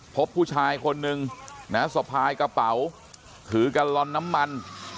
พบผู้ชายคนนึงนะสะพายกระเป๋าถือกัลลอนน้ำมัน